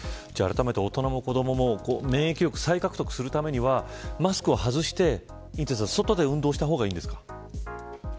大人も子どもも免疫力を再獲得するためにマスクを外して外で運動した方がいいですか。